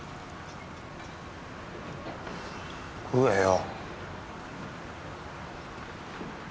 食えよ。